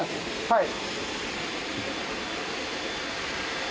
はい。